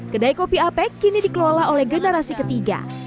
kedai kopi apek kini dikelola oleh generasi ketiga